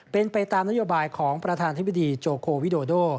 เป็นไปตามนโยบายของประธานธิบดีโจโควิโดโด